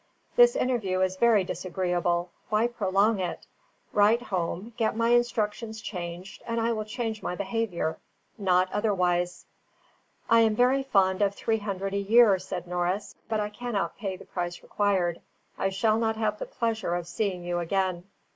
This interview is very disagreeable. Why prolong it? Write home, get my instructions changed, and I will change my behaviour. Not otherwise." "I am very fond of three hundred a year," said Norris, "but I cannot pay the price required. I shall not have the pleasure of seeing you again."